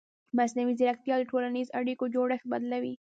مصنوعي ځیرکتیا د ټولنیزو اړیکو جوړښت بدلوي.